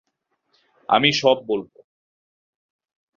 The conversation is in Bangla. আমি সব বলব!